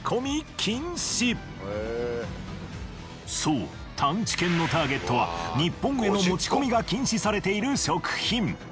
そう探知犬のターゲットは日本への持ち込みが禁止されている食品。